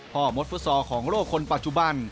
มดฟุตซอลของโลกคนปัจจุบัน